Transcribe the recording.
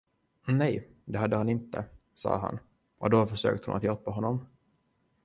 Nej, det hade han inte, sade han, och då försökte hon att hjälpa honom.